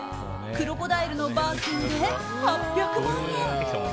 クロコダイルのバーキンで８００万円。